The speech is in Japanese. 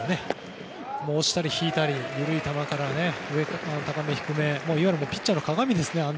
押したり引いたり緩い球から高め、低めいわゆるピッチャーの鏡ですね。